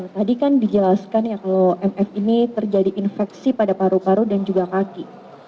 tadi kan dijelaskan ya kalau mf ini terjadi infeksi pada paru paru dan juga kaki